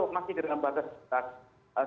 masih dengan batas sederhana